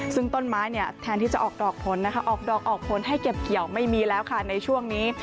ซึ่งต้นไม้เนี่ยแทนที่จะออกดอกผลนะคะออกดอกออกผลให้เก็บเกี่ยวไม่มีแล้วค่ะในช่วงนี้